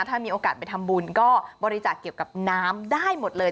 ถ้ามีโอกาสไปทำบุญก็บริจาคเกี่ยวกับน้ำได้หมดเลย